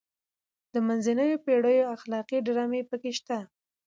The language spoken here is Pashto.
د منځنیو پیړیو اخلاقي ډرامې پکې شته.